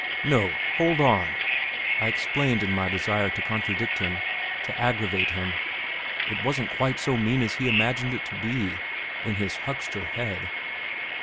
"No; hold on," I explained in my desire to contradict him to aggravate him. It wasn't quite so mean as he imagined it to be, in his huckster head.